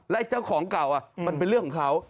และเจ้าของเก่ามันเป็นเรื่องของเขา